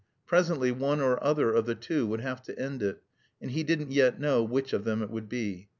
Presently one or other of the two would have to end it, and he didn't yet know which of them it would be.